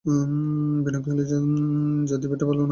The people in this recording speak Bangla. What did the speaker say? বিনয় কহিল, জাতিভেদটা ভালোও নয়, মন্দও নয়।